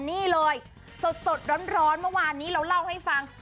นี่เลยสดร้อนเมื่อวานนี้เราเล่าให้ฟัง